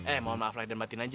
eh mohon maaf lah dimatikan aja ya